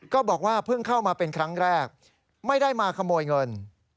ก็บอกว่าเพิ่งเข้ามาเป็นครั้งแรกไม่ได้มาขโมยเงิน